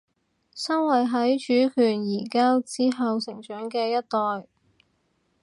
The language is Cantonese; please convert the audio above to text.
身為喺主權移交之後成長嘅一代